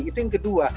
itu yang kedua